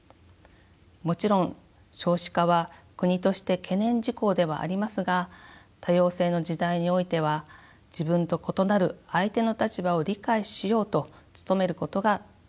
もちろん少子化は国として懸念事項ではありますが多様性の時代においては自分と異なる相手の立場を理解しようと努めることが大切です。